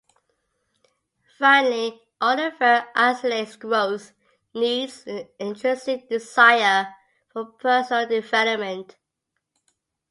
Finally, Alderfer isolates growth needs: an intrinsic desire for personal development.